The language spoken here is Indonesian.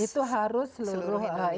itu harus seluruh indonesia